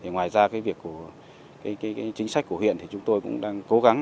ngoài ra việc của chính sách của huyện thì chúng tôi cũng đang cố gắng